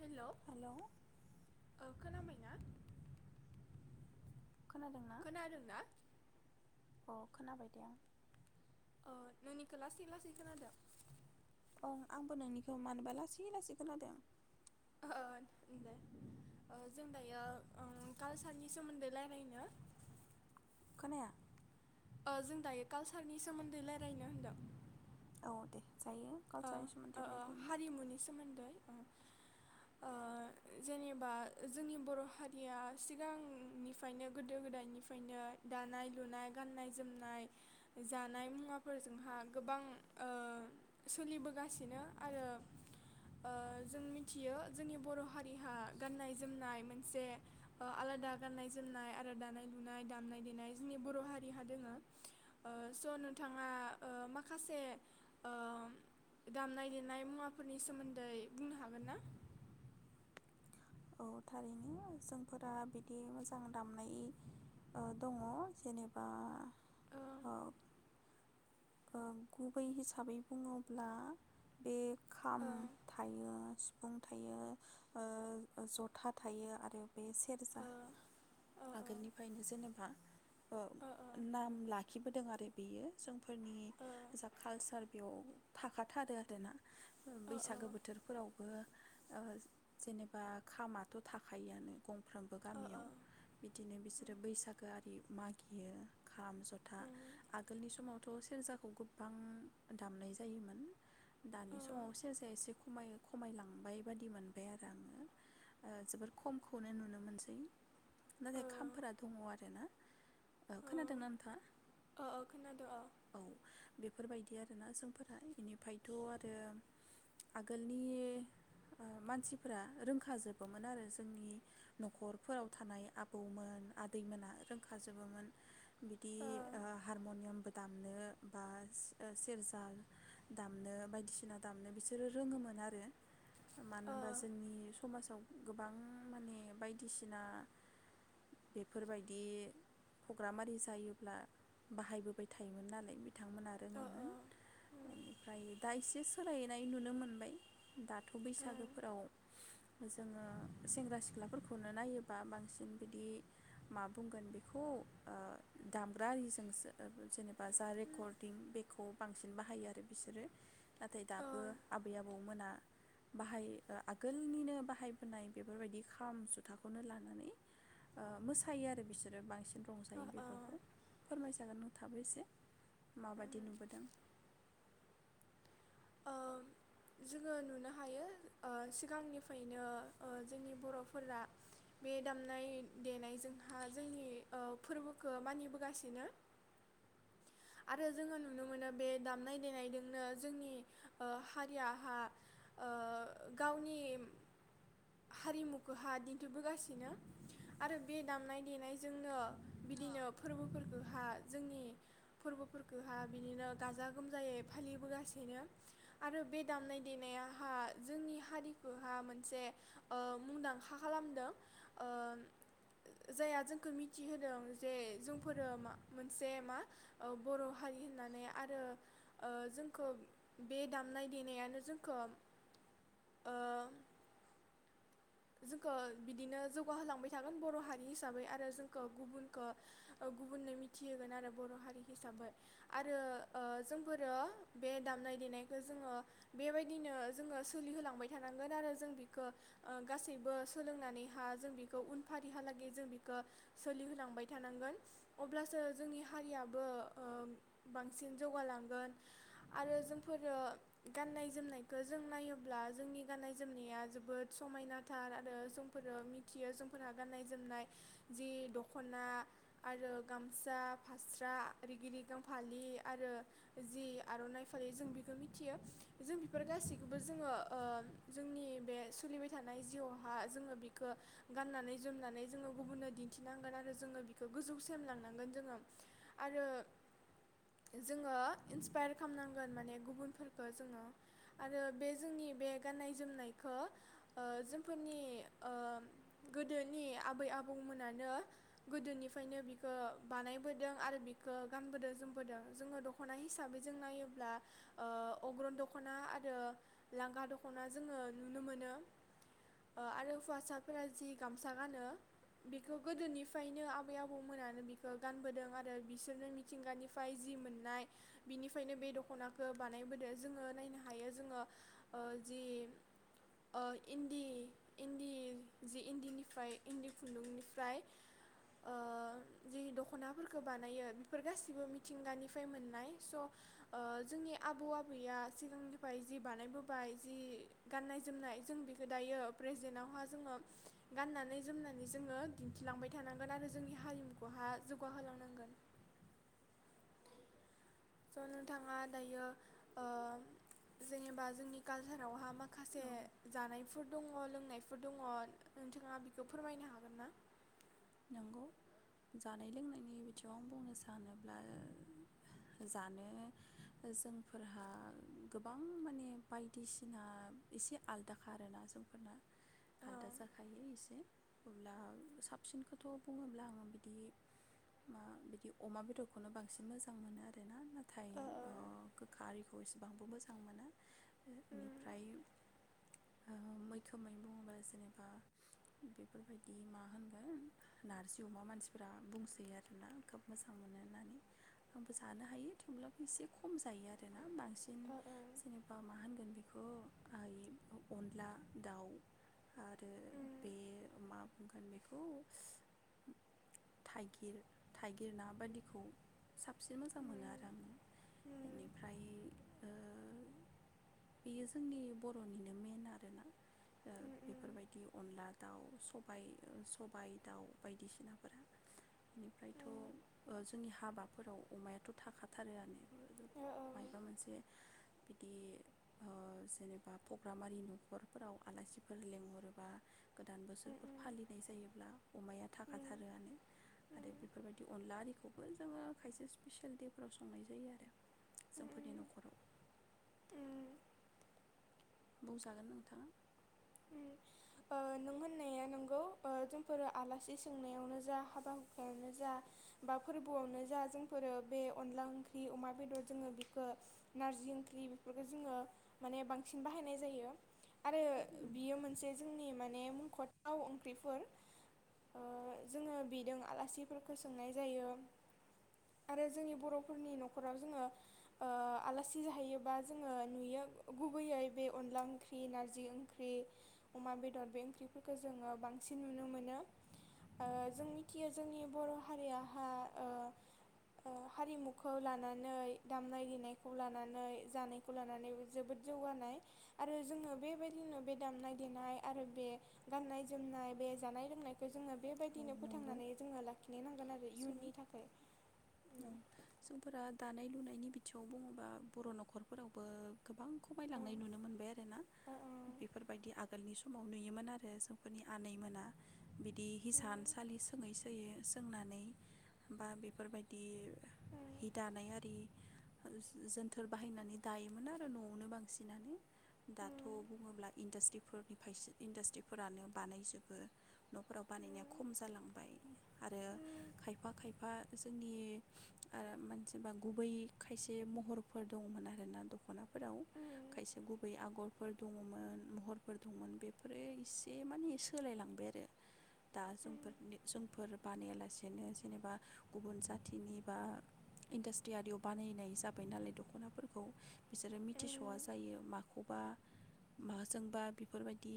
Hello औ खोनाबायना खोनादोंना खोनादोंना अ खोनाबाय दे आं अ नोंनिखो लासै लासै खोनादों आं आंबो नोंनिखौ मानोबा लासै लासै खोनादों दे ओ जों दायो कालसारनि सोमोन्दै रायलायनो खोनाया ओ जों दायो कालसारनि सोमोन्दै रायलायनो होनदों औ दे जायो ओ कालसारनि ओ सोमोन्दै ओ रायलानो हारिमुनि सोमोन्दै जेनेबा जोंनि बर' हारिया सिगांनिफ्रायनो गोदो गोदायनिफ्रायनो दानाय लुनाय गाननाय जोमनाय जानाय मुवाफोरजोंहा गोबां सोलिबोगासिनो आरो जों मिथियो जोंनि बर' हारिहा गाननाय जोमनाय मोनसे आलादा गाननाय जोमनाय आरो दानाय लुनाय दामनाय देनाय जोंनि बर' हारिहा दोङो स' नोंथाङा माखासे दामनाय देनाय मुवाफोरनि सोमोन्दै बुंनो हागोन ना औ थारैनो जोंफोरा बिदि मोजां दामनाय दङ जेनेबा ओ औ गुबै हिसाबै बुङोब्ला बे खाम ओ थायो सिफुं थायो ओ जथा थायो आरो बे सेरजा ओ ओ आगोलनिफ्रायनो जेनेबा ओ नाम लाखिबोदों आरो बेयो जों फोरनि जा कालचार बेयाव थाखाथारो आरोना ओ बैसागो बोथोरफोरावबो जेनेबा खामाथ' थाखायोआनो गंफ्रोमबो ओ ओ गामियाव बिदिनो बिसोरो बैसागो आरि मागियो खाम जथा उम आगोलनि समाव। थ' सेरजाखौ गोबां दामनाय जायोमोन दानि उम समाव सेरजाया एसे खम खमायलांबाय बादि मोनबाय आरो आङो जोबोर खमखौनो नुनो मोनसै। ओ नाथाय खामफोरा दङ आरो ना। खोनादोंना ओ नोंथाङा? ओ खोनादो ओ औ बेफोरबायदि आरोना जोंफोरा बेनिफ्रायथ' आरो आगोलनि मानसिफोरा रोंखाजोबोमोन आरो जोंनि न'खरफोराव थानाय आबौमोन आदैमोना रोंखाजोबोमोन। बिदि ओ हारम'नियामबो दामनो बा सेरजा दामनो बायदिसिना दामनो बिसोरो रोङोमोन आरो मानो ओ होनबा जोंनि समाजाव गोबां माने बायदिसिना बेफोरबायदि प्रग्राम आरि जायोब्ला बाहायबो थायोमोन नालाय बिथांमोना ओ रोङोमोन ओ उम बेनिफ्राय दा इसे सोलायनाय नुनो मोनबाय। दाथ' उम बैसागोफोराव जोङो सेंग्रा सिख्लाफोरखौनो नायोबा बांसिन बिदि मा बुंगोन बेखौ दामग्रा आरिजोंसो जेनेबा जा ओ रेकर्डिं बेखौ बांसिन बाहायो आरो बिसोरो नाथाय दाबो आबै आबौमोना बाहाय आगोलनिनो बाहायबोनाय बेफोरबायदि खाम जुथाखौनो लानानै ओ मोसायो आरो बिसोरो बांसिन ओ रंजायो ओ बेफोरखौ फोरमाय जागोन। थाबोसे माबादि नुबोदों? ओ जोङो नुनो हायो ओ सिगांनिफ्रायनो जोंनि बर'फोरा बे दामनाय देनायजोंहा जोंनि ओ फोरबोखौ मानिबोगासिनो। आरो जोङो नुनो मोनो बे दामनाय देनायजोंनो जोंनि हारियाहा ओ गावनि हारिमुखौहा दिन्थिबोगासिनो आरो बे दामनाय देनायजोंनो बिदिनो फोरबोफोरखौहा जोंनि फोरबोफोरखौहा बिदिनो गाजा गोमजायै फालिबोगासिनो आरो बे दामनाय देनायाहा जोंनि हारिखौहा मोनसे ओ मुंदांखा खालामदों ओ जायहा जोंखौ मिथिहोदों जे जोंफोरो मोनसे मा बर' हारि होननानै आरो ओ जोंखौ बे दामनाय देनायानो जोंखौ जोंखौ बिदिनो जौगाहोलांबाय थागोन बर' हारि हिसाबै आरो जोंखौ गुबुनखौ गुबुननो मिथिहोगोन आरो बर' हारि। हिसाबै आरो जोंफोरो बे दामनाय देनायखौ जोङो बेबायदिनो जोङो सोलिहोलांबाय थानांगोन आरो जों बिखौ ओ गासैबो सोलोंनानैहा जों बेखौ उनफारिहालागै जों बिखौ ओ सोलिहोलांबाय थानांगोन अब्लासो जोंनि हारिया बो ओ बांसिन जौगालांगोन आरो जोंफोरो गाननाय जोमनायखौ जों नायोब्ला जोंनि गाननाय जोमनाया जोबोद समायनाथार आरो जोंफोरो मिथियो जोंफोरहा गाननाय जोमनाय जि दख'ना आरो गामसा फास रा रिगिरिगां फालि आरो जि आर'नाइ फालि जों बेखौ मिथियो जों बेफोर गासैखौबो जोङो ओ जोंनि बे सोलिबाय थानाय जिउआवहा जोङो बिखो गाननानै जोमनानै जोङो गुबुननो दिन्थिनांगोन आरो जोङो बिखौ गोजौसिमलांनांगोन जोङो। आरो जोङो इन्सपायार खालामनांगोन माने गुबुनफोरखौ जोङो आरो बे जोंनि बे गाननाय जोमनायखौ ओ जोंफोरनि ओ गोदोनि आबै आबौमोनानो गोदोनिफ्रायनो बिखौ बानायबोदों आरो बेखौ गानबोदों जोमबोदों जोङो दख'ना हिसाबै जों नायोब्ला ओ अग्रं दख'ना आरो लांगा दख'ना जोङो नुनो मोनो आरो हौवासाफोरा जि गामसा गानो बेखौ गोदोनिफ्रायनो आबै आबौमोनानो बिखौ गानबोदों आरो बि सोरनि मिथिंगानिफ्राय जि मोननाय बिनिफ्रायनो बे दख'नाखौ बानायबोदो जोङो नायनो हायो जोङो ओ जि ओ इन्दि इन्दि जि इन्दिनिफ्राय इन्दि खुन्दुंनिफ्राय ओ जि दख'नाफोरखौ बानायो बेफोर गासैबो मिथिंगानिफ्राय मोननाय। स' ओ जोंनि आबौ आबैया सिगांनिफ्राय जि बानायबोबाय जि गाननाय जोमनाय जों बेखौ दायो प्रेजेन्टावहा जोङो गाननानै जोमनानै जोङो दिन्थिलांबाय थानांगोन आरो जोंनि हारिमुखौहा जौगाहोलांनांगोन। स' नोंथाङा दायो ओ जेनेबा जोंनि कालसारावहा माखासे औ जानायफोर दङ लोंनायफोर दङ नोंथाङा बेखौ फोरमायनो हागोन ना? नंगौ जानाय लोंनायनि बिथिंआव आं बुंनो सानोब्ला जानो जोंफोरहा गोबां माने बायदिसिना एसे आलदाखारोना जोंफोरना औ आलदा जाखायो एसे अब्ला सा बसिनखौथ' बुङोब्ला आङो बिदि ओ बिदि अमा बेदरखौनो बांसिन मोजां मोनो आरोना ना थाय ओ खारै खौ इसेबांबो मोजां मोनो। बेनिफ्राय ओ ओ मैखोमै बुङोब्ला जेनेबा बेफोरबायदि मा होनो गो न नारजि अमा मानसिफोरा बुंसैयो आरोना खोब मोजां मोनो होननानै आंबो जानो हायो थेवब्लाबो एसे खम जायो आरोना बां सिन ओ ओ जेनेबा मा होनगोन बे बेखौ आय-अनला दाउ आरो ओ बे मा बुंगोन बे खौ थाइगिर थाइगिर ना बादिखौ सा बांसिन मोजां मोनो आरो आङो बेनिफ्राय ओ बेयो जोंनि बर'निनो मेन आरोना ओ बेफोरबायदि अनला दाउ सबाय सबाय दाउ बायदिसिनाफोरा बेनिफ्रायथ' ओ जोंनि हाबाफोराव अमायाथ' थाखाथारोआनो मायबा मोनसे बिदि ओ जेनेबा प्रग्रामारि न'खरफोराव आलासिफोर लेंहरोबा गोदान बोसोरफोर जायोब्ला अमाया थाखा थारोयानो आरो बेफोर बादि अनला आरिखौ बो जोङो खायसे स्पिसियेल दे फोराव संनाय जायो आरो जोंफोरनि न'खराव बुंजागोन नोंथाङा। ओ नों होननाया नोंगौ ओ जोंफोरो आलासि सोंनायावनो जा हाबा हुखायावनो जा बा फोरबोआवनो जा जोंफोरो बे अनला ओंख्रि अमा बेदर जोङो बेखौ नारजि ओंख्रि बेफोरखौ जोङो माने बांसिन बाहायनाय जायो। आरो बियो मोनसे जोंनि माने मुंख'थाव ओंख्रिफोर। ओ जोङो बेदों आलासिफोरखौ सोंनाय जायो आरो जोंनि बर'फोरनि न'खराव जोङो ओ आलासि जाहैयोबा जोङो नुयो गुबैयै बे अनला ओंख्रि नारजि ओंख्रि अमा बेदर बे ओंख्रिफोरखौ जोङो बांसिन नुनो मोनो। ओ जों मिथियो जोंनि बर' हारियाहा ओ ओ हारिमुखौ लानानै दामनाय देनायखौ लानानै जानायखौ लानानै जोबोद जौगानाय आरो जोङो बेबायदि नो बे दामनाय देनाय आरो बे गाननाय जोमनाय बे जानाय लोंनायखौ जोङो औ बेबायदिनो नंगौ फोथांनानै जोङो लाखिनो नांगोन आरो जों इयुननि थाखाय। ओम नि बिथिंआव बुङोबा बर' न'खरफोरावबो गोबां औ खमायलांनाय नुनो मोनबाय आरोना थिगानो बेफोरबायदि आगोलनि सम समाव नुयोमोन आरो जोंफोरनि आनैमोना बिदि हि सानसालि सोङै सोयै सोंनानै बा बेफोरबायदि हि दानाय आरि जोनथोर बाहायनानै दायोमोन आरो न'आवनो बांसिनानो दाथ' बुङोब्ला इन्डास्ट्रिफोरनि फायसो इन्डास्ट्रिफोरानो बानायजोबो न'फोराव बानायनाया खम जालांबाय आरो खायफा खायफा जोंनि आरो मानसिबा गुबै खायसे महरफोर दङमोन आरोना दख'नाफोराव खायसे गुबै आगरफोर दङमोन महरफोर दंमोन बेफोरो इसे माने सोलायलांबाय आरो। दा जोंफोरनि जोंफोर बानायालासेनो जेनेबा गुबुन जाथिनि बा इन्डास्ट्रि आरियाव बानायनाय जाबाय नालाय दख'नाफोरखौ बिसोरो मिथिस'वा जायो माखौबा माजोंबा बेफोरबायदि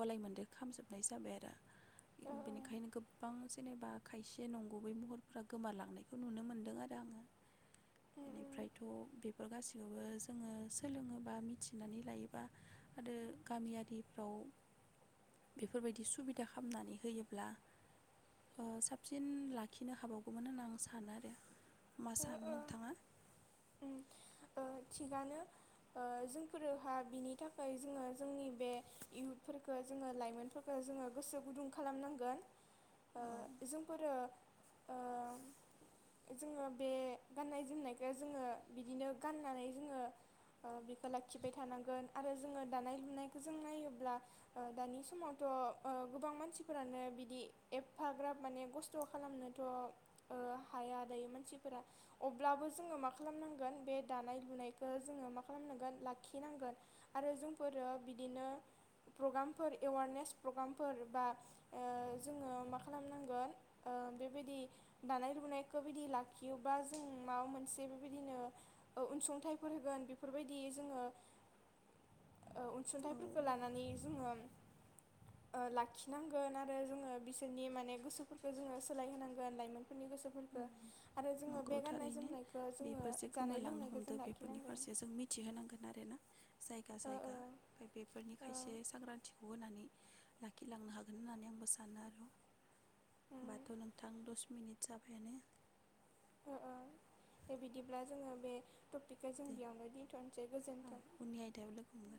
गलाय मोन्देर खामजोबनाय जाबाय आरो। बेनिखायनो गोबां जेनेबा खायसे नंगुबै महरफोरा गोमालांनायखौ नुनो मोनदों आरो आङो। एनिफ्रायथ' बे फोर गासैखोबो जोङो सोलोङोबा मिथिनानै लायोबा आरो गामि आरिफ्राव बेफोरबायदि सुबिदा खामनानै होयोब्ला ओ साबसिन लाखिनो हाबावगोमोन होनना आं सानो आरो। मा सानो नोंथाङा? ओ थिगानो ओ जोंफोरोहा बिनि थाखाय जोङो जोंनि बे इउथफोरफोरखो जोङो लाइमोनफोरखो जोङो गोसो गुदुं खालामनांगोन औ ओ जोंफोरो ओ जोङो बे गाननाय जोमनायखौ जोङो बिदिनो गाननानै जोङो ओ बिखो लाखिबाय थानांगोन आरो जोङो दानाय लुनायखौ जों नायोब्ला ओ दानि समावथ' ओ गोबां मानसिफोरानो बिदि एबफाग्राब माने खस्थ' खालामनोथ' ओ हाया दायो मानसि फोरा अब्लाबो जोङो मा खालामनांगोन बे दानाय लुनायखौ जोङो मा खालामनांगोन लाखिनांगोन आरो जोंफोरो बिदिनो प्रग्रामफोर एवारनेस प्रग्रामफोर बा ओ जोङो मा खालामनांगोन ओ बेबायदि दानाय लुनायखौ बिदि ला खियोबा जों माबा मोनसे बेबायदिनो ओ अनसुंथाइफोर होगोन बिफोरबायदि जोङो ओ औ अनसुंथाइफोरखो लानानै जोङो ओ लाखिनांगोन आरो जोङो बिसोरनि माने गोसोफोरखो जोङो सोलायहोनांगोन लाइमोन फोरनि गोसोफोरखो नंगौ थारैनो बेफोर जे जानाय गोमालांनो लोंनायखौ जों हमदो बेफोरनि लाखिनांगोन फारसे जों मिथिहोनांगोन आरो ना। जायगा ओ जायगा ओ ओमफाय बेफोरनि ओ खायसे सांग्रांथिखौ होनानै। लाखिलांनो हागोन होननानै आंबो सानो आर'। उम बाथ' नोंथां दस मिनिट जाबायानो ओ ओ दे बिदिब्ला जोङो बे टपिकखौ जों दे बेयावनो दिनथ'नसै गोजोन्थों। उननि आयदायाव लोगो हमगोन